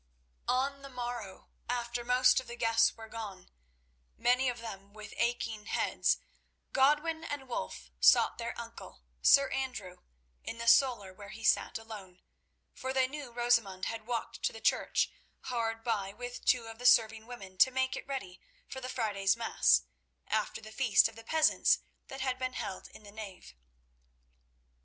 On the morrow, after most of the guests were gone, many of them with aching heads, Godwin and Wulf sought their uncle, Sir Andrew, in the solar where he sat alone, for they knew Rosamund had walked to the church hard by with two of the serving women to make it ready for the Friday's mass, after the feast of the peasants that had been held in the nave.